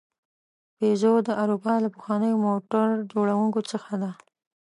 پيژو د اروپا له پخوانیو موټر جوړونکو څخه ده.